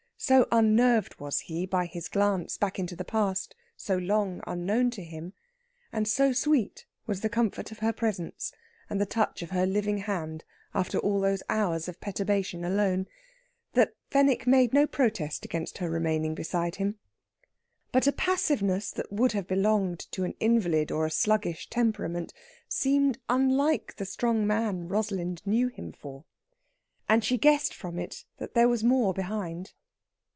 So unnerved was he by his glance back into his past, so long unknown to him, and so sweet was the comfort of her presence and the touch of her living hand after all those hours of perturbation alone, that Fenwick made no protest against her remaining beside him. But a passiveness that would have belonged to an invalid or a sluggish temperament seemed unlike the strong man Rosalind knew him for, and she guessed from it that there was more behind.